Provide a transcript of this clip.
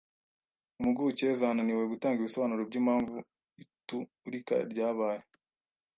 Impuguke zananiwe gutanga ibisobanuro byimpamvu iturika ryabaye.